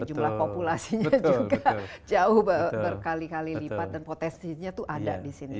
jumlah populasinya juga jauh berkali kali lipat dan potensinya itu ada di sini